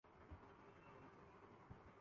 ہت سے مزدور ہلاک اور زخمی کر دے